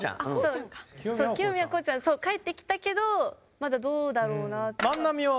清宮こうちゃん帰ってきたけどまだどうだろうなって。